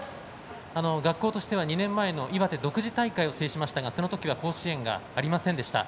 学校としては２年前の岩手独自大会を制しましたがその時は甲子園がありませんでした。